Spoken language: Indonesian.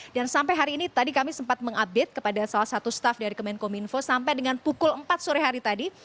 dan sampai hari ini tadi kami sempat mengupdate kepada salah satu staff dari kemenkominfo sampai dengan pukul empat sore hari tadi